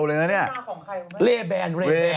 จากธนาคารกรุงเทพฯ